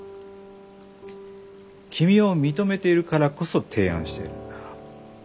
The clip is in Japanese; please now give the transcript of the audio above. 君を認めているからこそ提案しているんだ。